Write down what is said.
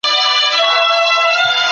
هغه کولای سي کتاب ولولي.